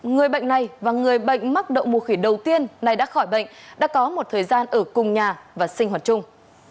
người bệnh này và người bệnh mắc đậu mùa khỉ đầu tiên này đã khỏi bệnh đã có một thời gian ở cùng nhà và sinh hoạt chung